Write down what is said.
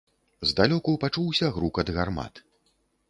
Здалёку пачуўся грукат гармат.